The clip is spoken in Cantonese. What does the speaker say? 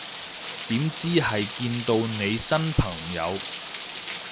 點知係見到你新朋友